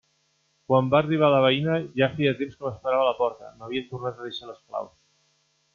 Quan va arribar la veïna, ja feia temps que m'esperava a la porta: m'havia tornat a deixar les claus.